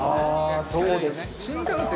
そうですね。